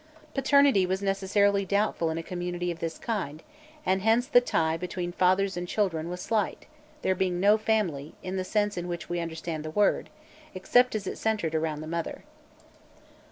Paternity was necessarily doubtful in a community of this kind, and hence the tie between fathers and children was slight; there being no family, in the sense in which we understand the word, except as it centred around the mother.